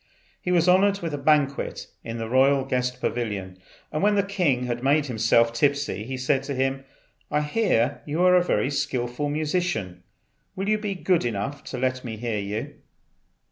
He was honoured with a banquet in the royal guest pavilion, and when the king had made himself tipsy he said to him, "I hear you are a very skilful musician. Will you be good enough to let me hear you?"